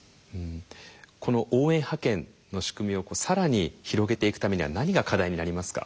この応援派遣の仕組みを更に広げていくためには何が課題になりますか？